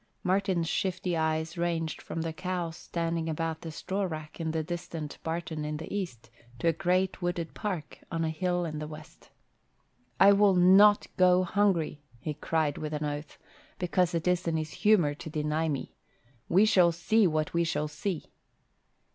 Martin's shifty eyes ranged from the cows standing about the straw rack in a distant barton in the east to a great wooded park on a hill in the west. "I will not go hungry," he cried with an oath, "because it is his humour to deny me. We shall see what we shall see."